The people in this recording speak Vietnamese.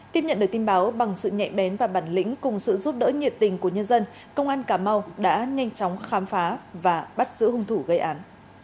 tiếp nhận được tin báo bằng sự nhẹ bén và bản lĩnh cùng sự giúp đỡ nhiệt tình của nhân dân công an cà mau đã nhanh chóng khám phá và bắt giữ hung thủ gây án